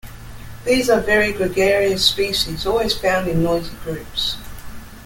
These are very gregarious species, always found in noisy groups.